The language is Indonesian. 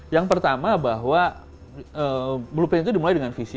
yang pertama bahwa blueprint itu dimulai dengan visi